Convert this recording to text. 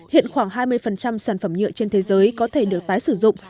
hiện khoảng hai mươi sản phẩm nhựa trên thế giới có thể được tái sử dụng